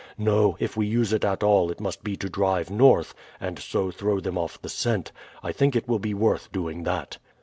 No, if we use it at all it must be to drive north, and so throw them off the scent. I think it will be worth doing that."